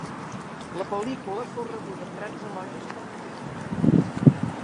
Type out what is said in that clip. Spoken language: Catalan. La pel·lícula fou rebuda amb grans elogis per la crítica.